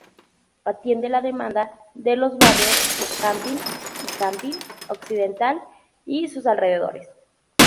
Atiende la demanda de los barrios Campín y Campín Occidental y sus alrededores.